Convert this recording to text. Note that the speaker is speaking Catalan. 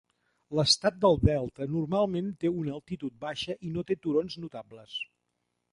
L'Estat del Delta normalment té una altitud baixa i no té turons notables.